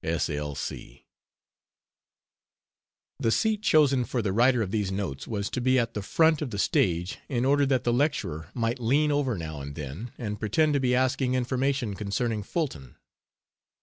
S. L. C. The seat chosen for the writer of these notes was to be at the front of the stage in order that the lecturer might lean over now and then and pretend to be asking information concerning Fulton.